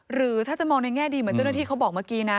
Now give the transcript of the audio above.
หรือถ้าจะมองในแง่ดีเหมือนเจ้าหน้าที่เขาบอกเมื่อกี้นะ